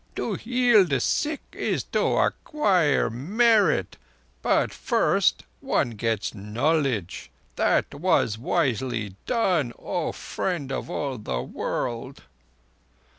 "To heal the sick is to acquire merit; but first one gets knowledge. That was wisely done, O Friend of all the World."